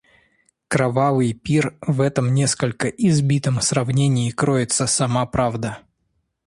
Кровавый пир — в этом несколько избитом сравнении кроется сама правда.